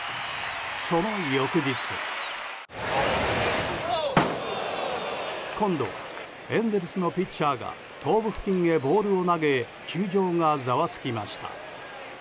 その翌日。今度はエンゼルスのピッチャーが頭部付近へボールを投げ球場がざわつきました。